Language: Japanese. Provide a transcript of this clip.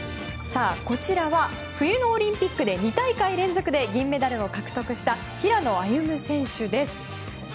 こちらは冬のオリンピックで２大会連続で銀メダルを獲得した平野歩夢選手です。